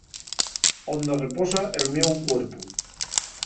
Ónde reposa'l miou cuerpu.